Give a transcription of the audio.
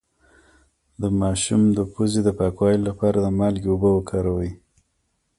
د ماشوم د پوزې د پاکوالي لپاره د مالګې اوبه وکاروئ